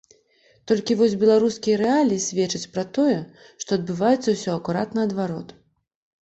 Толькі вось беларускія рэаліі сведчаць пра тое, што адбываецца ўсё акурат наадварот.